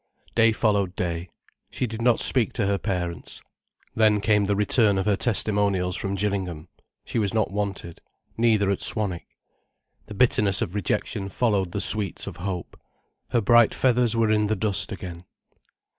Day followed day. She did not speak to her parents. Then came the return of her testimonials from Gillingham. She was not wanted, neither at Swanwick. The bitterness of rejection followed the sweets of hope. Her bright feathers were in the dust again.